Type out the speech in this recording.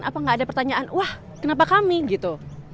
apa nggak ada pertanyaan wah kenapa kami gitu